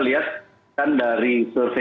kita lihat kan dari survei yang sudah mungkin berlaku